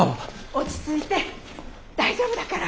落ち着いて大丈夫だから。